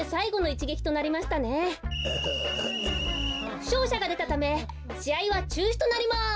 ふしょうしゃがでたためしあいはちゅうしとなります。